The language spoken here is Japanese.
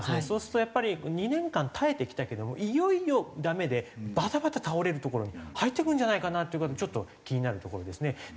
そうするとやっぱり２年間耐えてきたけどもいよいよダメでバタバタ倒れるところに入ってくるんじゃないかなという事はちょっと気になるところですね。